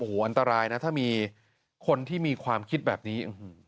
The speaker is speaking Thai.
โอ้โหอันตรายนะถ้ามีคนที่มีความคิดแบบนี้